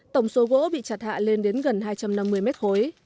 tổng số gỗ bị chặt hạ lên đến gần hai trăm năm mươi mét khối